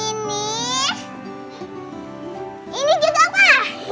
ini juga pak